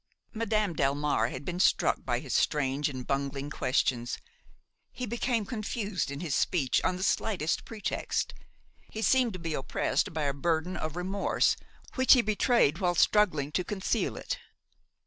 Madame Delmare had been struck by his strange and bungling questions. He became confused in his speech on the slightest pretext; he seemed to be oppressed by a burden of remorse which he betrayed while struggling to conceal it.